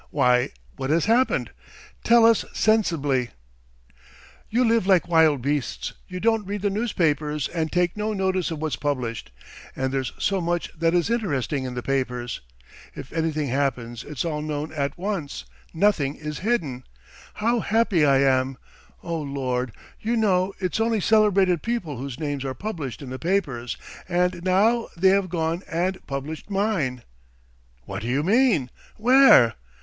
"Why, what has happened? Tell us sensibly!" "You live like wild beasts, you don't read the newspapers and take no notice of what's published, and there's so much that is interesting in the papers. If anything happens it's all known at once, nothing is hidden! How happy I am! Oh, Lord! You know it's only celebrated people whose names are published in the papers, and now they have gone and published mine!" "What do you mean? Where?"